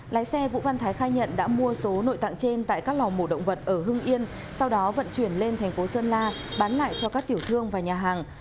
lái xe vũ văn thái khai nhận đã mua số nội tạng trên tại các lò mổ động vật ở hưng yên sau đó vận chuyển lên thành phố sơn la bán lại cho các tiểu thương và nhà hàng